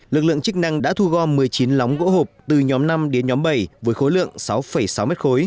lực lượng chức năng đã thu gom một mươi chín lóng gỗ hộp từ nhóm năm đến nhóm bảy với khối lượng sáu sáu m ba